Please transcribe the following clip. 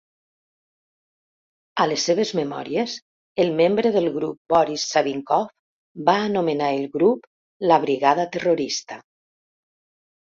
A les seves memòries, el membre del grup Boris Savinkov va anomenar el grup la "Brigada terrorista".